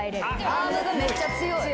アームがめっちゃ強い。